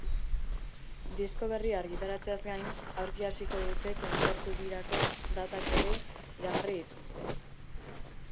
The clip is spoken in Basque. Disko berria argitaratzeaz gain, aurki hasiko duten kontzertu-birako datak ere iragarri dituzte.